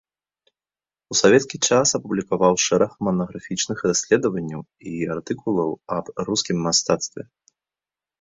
У савецкі час апублікаваў шэраг манаграфічных даследаванняў і артыкулаў аб рускім мастацтве.